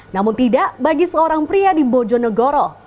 namun tidak bagi seorang pria di bojonegoro